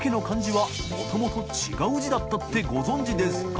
もともと違う字だったってご存じですか？